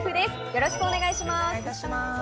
よろしくお願いします。